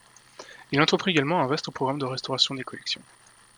Il entreprit également un vaste programme de restauration des collections.